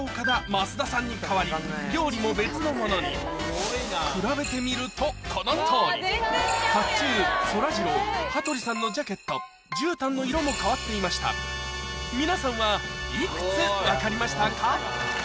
増田さんに変わり料理も別のものに比べてみるとこのとおりかっちゅうそらジロー羽鳥さんのジャケットじゅうたんの色も変わっていました皆さんはいくつ分かりましたか？